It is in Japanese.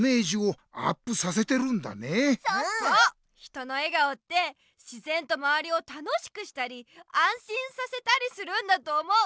人の笑顔ってしぜんとまわりを楽しくしたりあんしんさせたりするんだと思う。